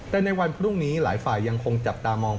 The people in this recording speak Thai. แต่ในวันพรุ่งนี้หลายฝ่ายยังคงจับตามอง